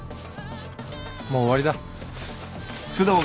もう終わりだ。